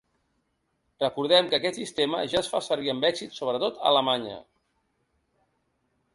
Recordem que aquest sistema ja es fa servir amb èxit, sobretot a Alemanya.